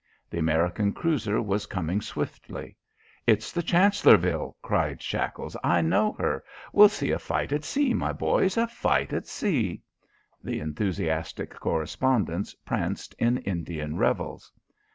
The American cruiser was coming swiftly. "It's the Chancellorville!" cried Shackles. "I know her! We'll see a fight at sea, my boys! A fight at sea!" The enthusiastic correspondents pranced in Indian revels.